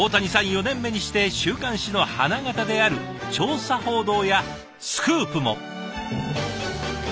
４年目にして週刊誌の花形である調査報道やスクープも！